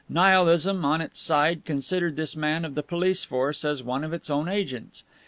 Nihilism, on its side, considered this man of the police force as one of its own agents.